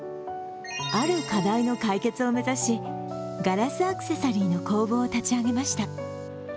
ある課題の解決を目指しガラスアクセサリーの工房を立ち上げました。